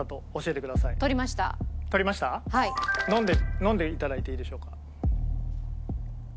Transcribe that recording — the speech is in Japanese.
飲んでいただいていいでしょうか。